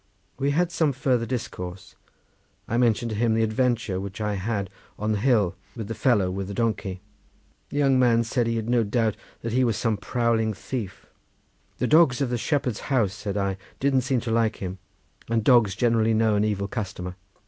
We had some further discourse. I mentioned to him the adventure which I had on the hill with the fellow with the donkey. The young man said that he had no doubt that he was some prowling thief. "The dogs of the shepherd's house," said I, "didn't seem to like him, and dogs generally know an evil customer.